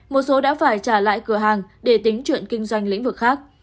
một số đã phải trả lại cửa hàng để tính chuyện kinh doanh lĩnh vực khác